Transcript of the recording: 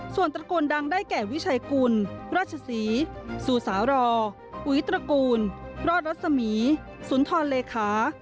ส่วนตระกูลดังได้แก่วิชัยกุลราชศรีซูสารออุ๋ยตระกูลรอดรัศมีสุนทรเลขา